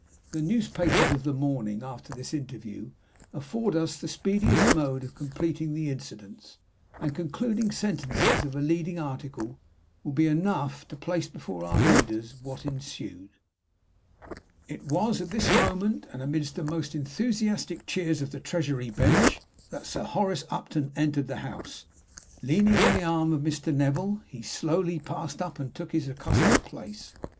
The newspapers of the morning after this interview afford us the speediest mode of completing the incidents; and the concluding sentences of a leading article will be enough to place before our readers what ensued: "It was at this moment, and amidst the most enthusiastic cheers of the Treasury bench, that Sir Horace Upton entered the House. Leaning on the arm of Mr. Neville, he slowly passed up and took his accustomed place.